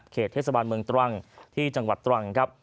เทศบาลเมืองตรังที่จังหวัดตรังครับ